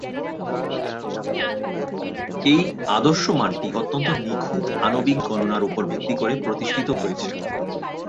এই আদর্শ মানটি অত্যন্ত নিখুঁত আণবিক গণনার উপর ভিত্তি করে প্রতিষ্ঠিত হয়েছে।